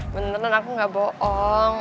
beneran aku gak bohong